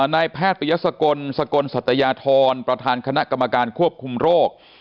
นายแพทย์ปริยสกลสกลสัตยาธรประธานคณะกรรมการควบคุมโรค